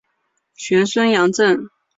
玄孙杨震。